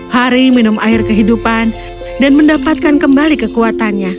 hari minum air kehidupan dan mendapatkan kembali kekuatannya